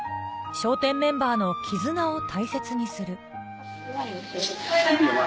笑点メンバーの絆を大切にする。